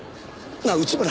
なあ内村！